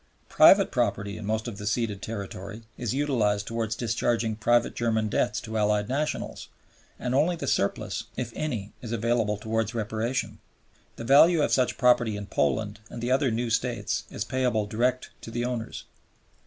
Private property in most of the ceded territory is utilized towards discharging private German debts to Allied nationals, and only the surplus, if any, is available towards Reparation. The value of such property in Poland and the other new States is payable direct to the owners.